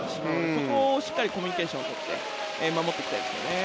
そこをしっかりコミュニケーションを取って守っていきたいですよね。